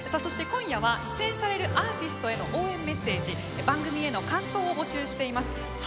今夜は出演されるアーティストへの応援メッセージ番組への感想を募集しています。